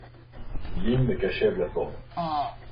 L'hymne qu'achève la forêt.